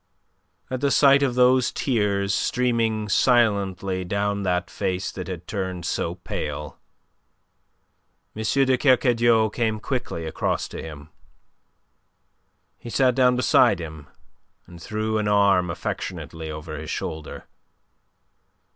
At the sight of those tears streaming silently down that face that had turned so pale, M. de Kercadiou came quickly across to him. He sat down beside him and threw an arm affectionately over his shoulder.